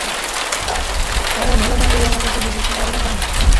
তাদের ভালো গুনগুলো আমার কাছে বিশেষ কোন আবেদন করে না।